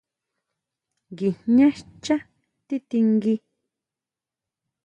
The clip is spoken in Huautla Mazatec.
Guijñá xchá tití ngui.